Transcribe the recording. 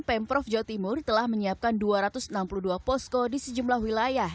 pemprov jawa timur telah menyiapkan dua ratus enam puluh dua posko di sejumlah wilayah